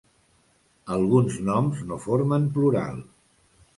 Alguns noms no formen plural.